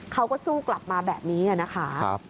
เขาก็สู้กลับมาแบบนี้นะคะ